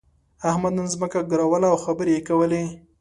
احمد نن ځمکه ګروله او خبرې يې کولې.